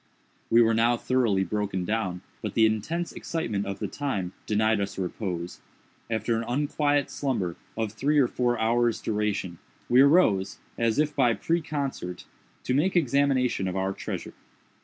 We were now thoroughly broken down; but the intense excitement of the time denied us repose. After an unquiet slumber of some three or four hours' duration, we arose, as if by preconcert, to make examination of our treasure.